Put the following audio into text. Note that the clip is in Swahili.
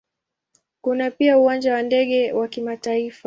Kuna pia Uwanja wa ndege wa kimataifa.